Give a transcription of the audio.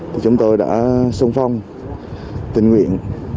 thì chúng tôi đã xung phong tình nguyện